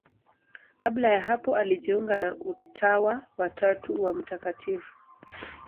Kabla ya hapo alijiunga na Utawa wa Tatu wa Mt.